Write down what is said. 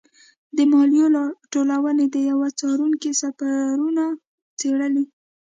د مالیې راټولونې د یوه څارونکي سفرونه څېړلي.